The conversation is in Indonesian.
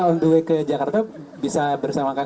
untuk ke jakarta bisa bersama